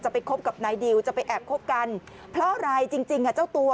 ไปคบกับนายดิวจะไปแอบคบกันเพราะอะไรจริงจริงอ่ะเจ้าตัว